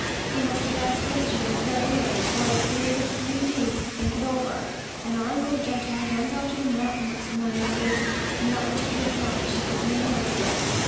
He must have asked yesterday at Verrieres for a period of three days to think it over, and our little gentleman runs off to the mountains this morning so as not to be obliged to give me an answer.